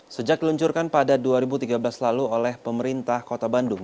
sejak diluncurkan pada dua ribu tiga belas lalu oleh pemerintah kota bandung